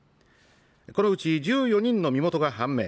このうち１４人の身元が判明